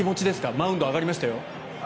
マウンドに上がりましたよ。